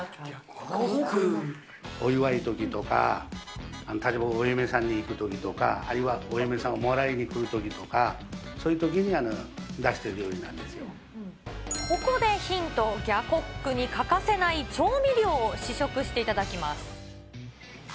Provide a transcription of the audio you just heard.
お祝いのときとか、例えばお嫁さんに行くときとか、あるいはお嫁さんをもらいに来るときとか、そういうときに出してここでヒント、ギャコックに欠かせない調味料を試食していただきます。